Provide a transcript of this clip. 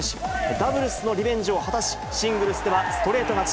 ダブルスのリベンジを果たし、シングルスではストレート勝ち。